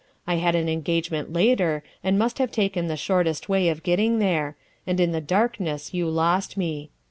I had an engagement later and must have taken the shortest way of getting there, and in the dark ness you lost me.